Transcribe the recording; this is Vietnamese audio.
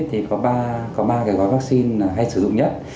thì có ba cái gói vaccine hay sử dụng nhất